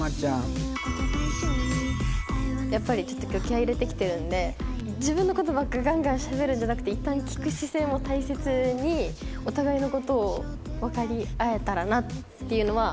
やっぱりちょっと今日気合入れて来てるんで自分の事ばっかガンガンしゃべるんじゃなくていったん聞く姿勢も大切にお互いの事をわかり合えたらなっていうのは心掛けてます。